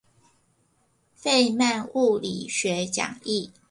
費曼物理學講義